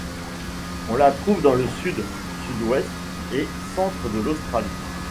On la trouve dans le sud, sud-ouest et centre de l'Australie.